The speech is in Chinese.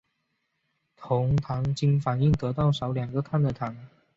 酮糖经反应得到少两个碳的糖。